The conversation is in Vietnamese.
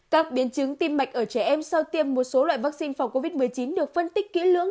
các biến chứng tim mạch ở trẻ em sau tiêm một số loại vaccine phòng covid một mươi chín được phân tích kỹ lưỡng